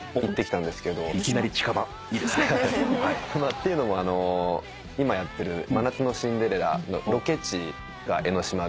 っていうのも今やってる『真夏のシンデレラ』のロケ地が江ノ島で。